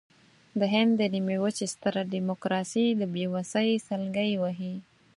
د هند د نیمې وچې ستره ډیموکراسي د بېوسۍ سلګۍ وهي.